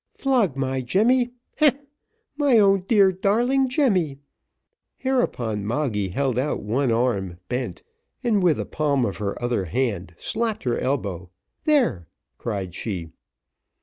Flog my Jemmy, heh! my own dear darling Jemmy." Hereupon Moggy held out one arm bent, and with the palm of her other hand slapped her elbow "There!" cried she.